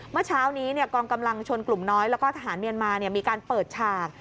เมื่อเช้านี้กองกำลังชนกลุ่มน้อยแล้วก็ทหารเมียนมามีการเปิดฉาก